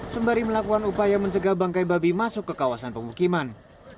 sembari melakukan upaya mencegah bangkai babi masuk ke kawasan pemukiman